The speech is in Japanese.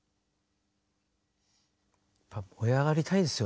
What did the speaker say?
燃え上がりたいですよね。